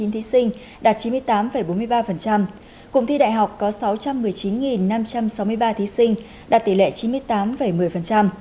một trăm năm mươi một bảy trăm chín mươi chín thí sinh đạt chín mươi tám bốn mươi ba cụm thi đại học có sáu trăm một mươi chín năm trăm sáu mươi ba thí sinh đạt tỷ lệ chín mươi tám một mươi